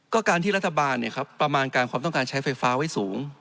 ก็การที่รัฐบาลประมาณการความต้องการใช้ไฟฟ้าไว้สูง